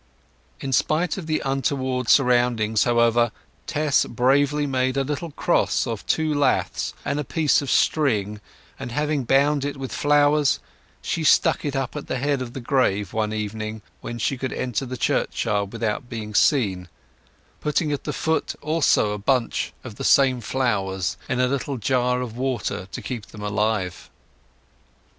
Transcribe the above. In spite of the untoward surroundings, however, Tess bravely made a little cross of two laths and a piece of string, and having bound it with flowers, she stuck it up at the head of the grave one evening when she could enter the churchyard without being seen, putting at the foot also a bunch of the same flowers in a little jar of water to keep them alive.